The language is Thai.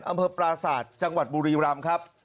อำเภอปราศาสตร์จังหวัดบุรีรำครับ